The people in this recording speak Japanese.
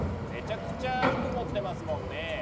めちゃくちゃ服持ってますもんね。